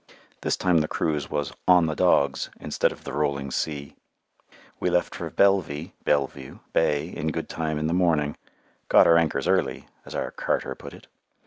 This time the cruise was "on the dogs" instead of the rolling sea. We left for Belvy (Bellevue) Bay in good time in the morning "got our anchors early," as our "carter" put it.